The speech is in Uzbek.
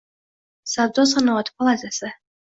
Savdo sanoati palatasi